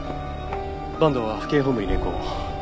坂東は府警本部に連行を。